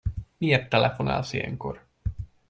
Miért telefonálsz ilyenkor?